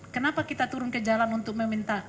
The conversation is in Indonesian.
kenapa kita turun ke jalan untuk meminta